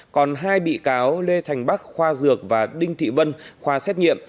còn hai bị cáo lê thành bắc khoa dược và đinh thị vân khoa xét nghiệm